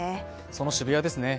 その渋谷ですね。